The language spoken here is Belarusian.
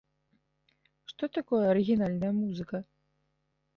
Што такое арыгінальная музыка?